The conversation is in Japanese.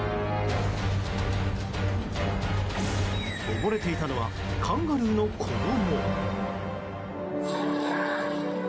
溺れていたのはカンガルーの子供。